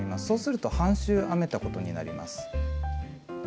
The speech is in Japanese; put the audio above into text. そうすると半周編めたことになります。